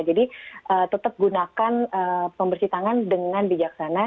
jadi tetap gunakan pembersih tangan dengan bijaksana